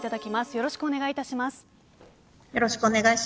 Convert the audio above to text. よろしくお願いします。